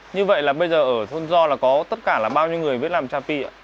như vậy là bây giờ ở thôn gio là có tất cả là bao nhiêu người mới làm cha pi ạ